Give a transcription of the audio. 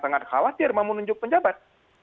sangat khawatir memunjuk penjabat